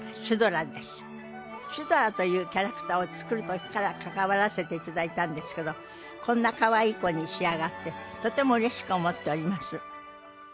シュドラというキャラクターを作る時から関わらせていただいたんですけどこんなかわいい子に仕上がってとてもうれしく思っております。